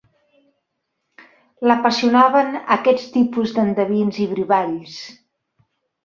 L'apassionaven aquests tipus d'endevins i brivalls.